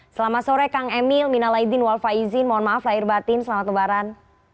selamat sore kang emil mina laidin wal faizin mohon maaf lahir batin selamat lebaran